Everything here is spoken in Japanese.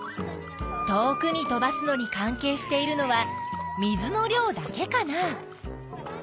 遠くに飛ばすのに関係しているのは水の量だけかな？